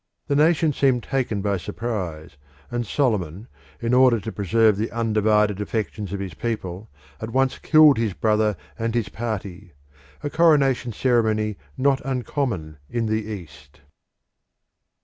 The nation seemed taken by surprise, and Solomon, in order to preserve the undivided affections of his people, at once killed his brother and his party a coronation ceremony not uncommon in the East.